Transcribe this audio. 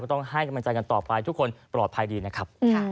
ต้องให้กำลังใจกันต่อไปทุกคนปลอดภัยดีนะครับ